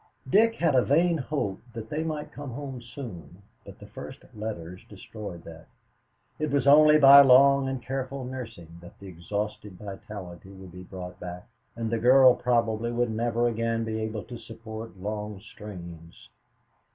Dick had a vain hope that they might come home soon, but the first letters destroyed that. It was only by long and careful nursing that the exhausted vitality would be brought back, and the girl probably would never again be able to support long strains.